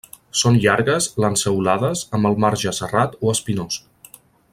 Són llargues, lanceolades, amb el marge serrat o espinós.